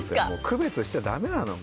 区別しちゃだめなの。